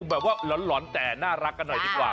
แบบว่าหลอนแต่น่ารักกันหน่อยดีกว่า